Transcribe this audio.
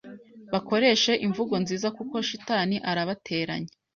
bakoreshe imvugo nziza kuko shitani arabateranya,